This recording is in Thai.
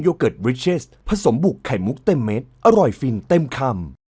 โอ้ยที่ถึงกันเลยอะ